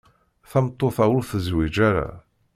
Tameṭṭut-a ur tezwij ara.